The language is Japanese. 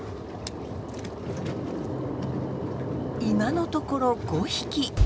今のところ５匹。